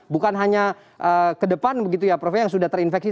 bukan hanya ke depan begitu ya prof ya yang sudah terinfeksi